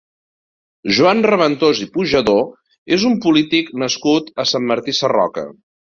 Joan Raventós i Pujadó és un polític nascut a Sant Martí Sarroca.